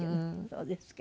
そうですか。